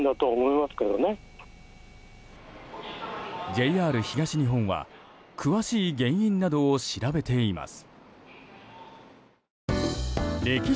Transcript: ＪＲ東日本は詳しい原因などを調べています。